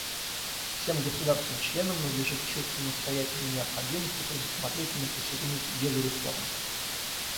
Всем государствам-членам надлежит с чувством настоятельной необходимости предусмотрительно присягнуть делу реформы.